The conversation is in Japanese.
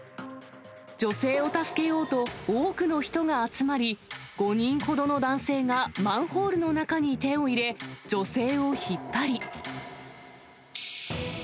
女性を助けようと、多くの人が集まり、５人ほどの男性がマンホールの中に手を入れ、女性を引っ張り。